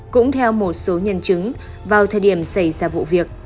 cũng theo một số nhân chứng vào thời điểm xảy ra vụ việc